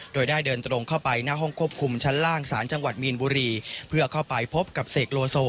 โดยได้เดินตรงเข้าไปหน้าห้องควบคุมชั้นล่างศาลจังหวัดมีนบุรีเพื่อเข้าไปพบกับเสกโลโซ